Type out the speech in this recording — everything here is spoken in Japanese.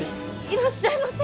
いらっしゃいませ。